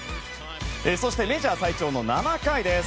そしてメジャー最長の７回です。